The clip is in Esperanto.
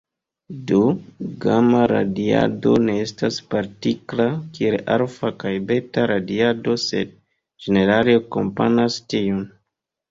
Do, gama-radiado ne estas partikla kiel alfa- kaj beta-radiado, sed ĝenerale akompanas tiujn.